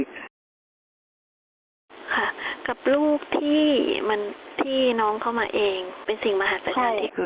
ค่ะกับลูกที่น้องเขามาเองเป็นสิ่งมหาศักดิ์สัญญาณที่คุณ